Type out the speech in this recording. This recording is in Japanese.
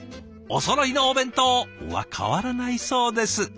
おそろいのお弁当は変わらないそうです。